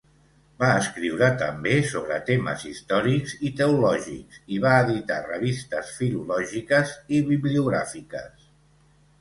Va escriure també sobre temes històrics i teològics i va editar revistes filològiques i bibliogràfiques.